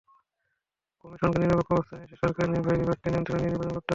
কমিশনকে নিরপেক্ষ অবস্থানে এসে সরকারের নির্বাহী বিভাগকে নিয়ন্ত্রণে নিয়ে নির্বাচন করতে হবে।